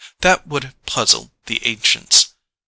That would have puzzled the ancients.